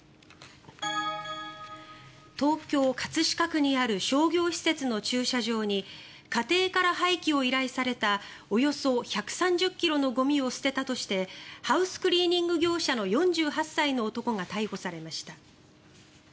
東京・葛飾区にある商業施設の駐車場に家庭から廃棄を依頼されたおよそ１３０ｋｇのゴミを捨てたとしてハウスクリーニング業者の４８歳の男が逮捕されました。